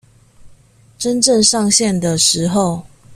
真正上線的時候